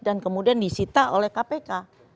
dan kemudian disita oleh kpk